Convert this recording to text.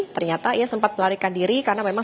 ternyata ia sempat melarikan diri karena memang